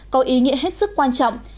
có ý nghĩa hết sức quan trọng